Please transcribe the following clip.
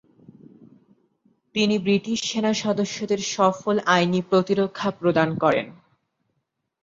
তিনি ব্রিটিশ সেনাসদস্যদের সফল আইনি প্রতিরক্ষা প্রদান করেন।